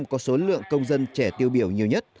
tp hcm có số lượng công dân trẻ tiêu biểu nhiều nhất